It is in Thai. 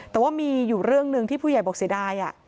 แต่ว่ามีอยู่เรื่องหนึ่งที่ผู้ใหญ่บอกเสียดาย